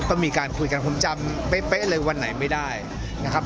ก็มีการคุยกันผมจำเป๊ะเลยวันไหนไม่ได้นะครับ